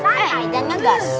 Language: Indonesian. santai jangan ngegas